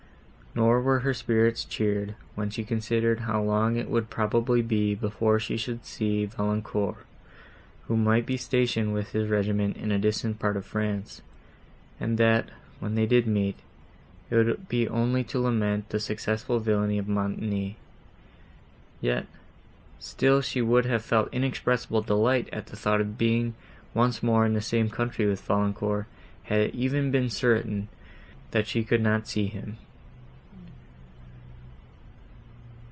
Nor were her spirits cheered, when she considered how long it would probably be before she should see Valancourt, who might be stationed with his regiment in a distant part of France, and that, when they did meet, it would be only to lament the successful villany of Montoni; yet, still she would have felt inexpressible delight at the thought of being once more in the same country with Valancourt, had it even been certain, that she could not see him.